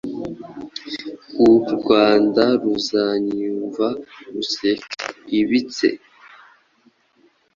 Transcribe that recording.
U Rwanda ruzayumva ruseke.ibitse